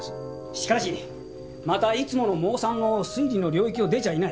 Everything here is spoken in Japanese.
しかしまたいつものモーさんの推理の領域を出ちゃいない。